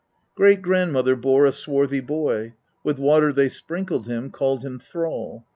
6. Great grandmother bore a swarthy boy ; with water they sprinkled him, called him Thrall.